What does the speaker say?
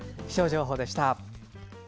気象情報でした。